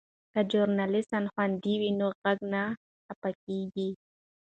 که ژورنالیست خوندي وي نو غږ نه خپیږي.